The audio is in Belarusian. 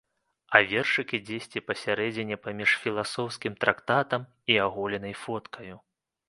А вершыкі дзесьці пасярэдзіне паміж філасофскім трактатам і аголенай фоткаю.